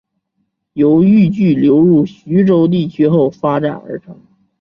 由豫剧流入徐州地区后发展而成。